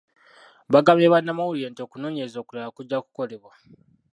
Baagambye bannamawulire nti okunoonyereza okulala kujja kukolebwa.